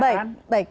oke baik baik